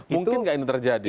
mungkin gak ini terjadi